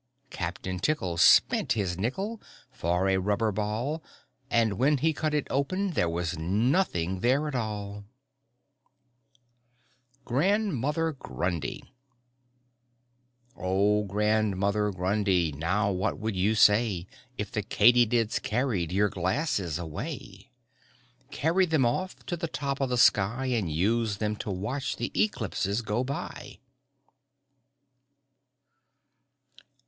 Captain Tickle spent his nickel For a rubber ball, And when he cut it open There was nothing there at all. GRANDMOTHER GRUNDY O Grandmother Grundy, Now what would you say If the katydids carried Your glasses away Carried them off To the top of the sky And used them to watch The eclipses go by?